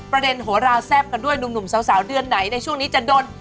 ประเด็นโหลาแทรฟกันด้วยหนุ่มสาวเดือนไหนในช่วงนี้จะโดน